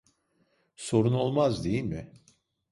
Sorun olmaz, değil mi?